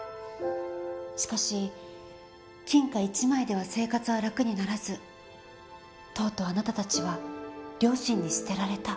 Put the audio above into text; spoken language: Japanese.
しかし金貨１枚では生活は楽にならずとうとうあなたたちは両親に捨てられた。